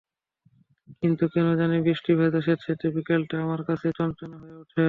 কিন্তু কেন জানি বৃষ্টিভেজা স্যাঁতসেঁতে বিকেলটা আমার কাছে চনমনে হয়ে ওঠে।